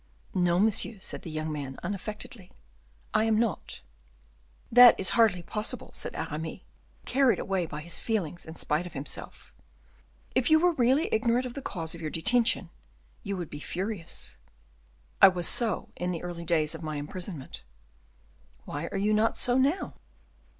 "No, monsieur," said the young man, unaffectedly, "I am not." "That is hardly possible," said Aramis, carried away by his feelings in spite of himself; "if you were really ignorant of the cause of your detention, you would be furious." "I was so during the early days of my imprisonment." "Why are you not so now?"